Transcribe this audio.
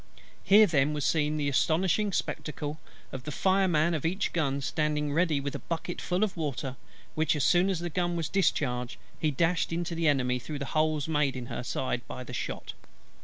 Here then was seen the astonishing spectacle of the fireman of each gun standing ready with a bucket full of water which as soon as his gun was discharged he dashed into the Enemy through the holes made in her side by the shot.